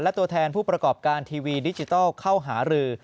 และตัวแทนผู้ประกอบการทีวีดิจิทัลเข้าหารือ